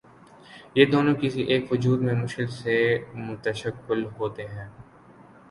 یہ دونوں کسی ایک وجود میں مشکل سے متشکل ہوتے ہیں۔